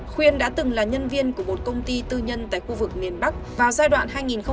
khuyên đã từng là nhân viên của một công ty tư nhân tại khu vực miền bắc vào giai đoạn hai nghìn một mươi sáu hai nghìn hai mươi